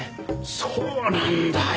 そうなんだよ。